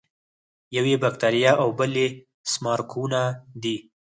یو یې باکتریا او بل سمارقونه دي.